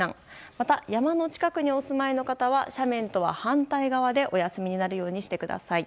また、山の近くにお住まいの方は斜面とは反対側でお休みになるようにしてください。